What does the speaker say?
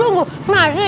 itu malah masuk